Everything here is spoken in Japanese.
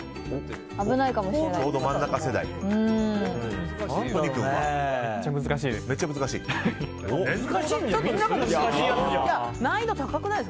危ないかもしれない。